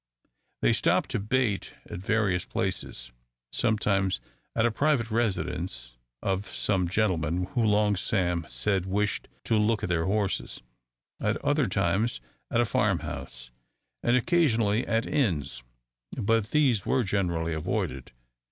They stopped to bait at various places: sometimes at the private residence of some gentleman who Long Sam said wished to look at their horses; at other times at a farm house, and occasionally at inns, but these were generally avoided.